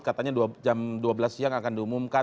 katanya jam dua belas siang akan diumumkan